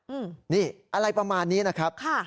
อืมนี่อะไรประมาณนี้นะครับค่ะ